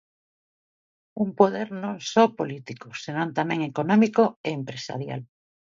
Un poder non só político senón tamén económico e empresarial.